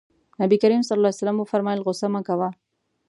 نبي کريم ص وفرمايل غوسه مه کوه.